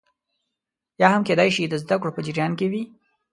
یا هم کېدای شي د زده کړو په جریان کې وي